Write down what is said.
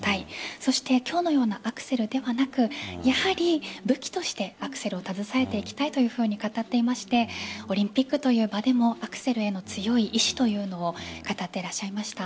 そして今日のようなアクセルではなくやはり武器としてアクセルを携えていきたいというふうに語っていましてオリンピックという場でもアクセルへの強い意志というのを語っていらっしゃいました。